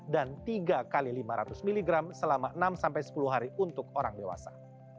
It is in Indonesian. dan tiga x lima ratus mg selama enam sepuluh hari untuk orang dewasa